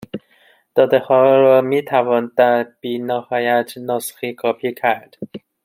دادهها را میتوان در بی نهایت نسخه کپی کرد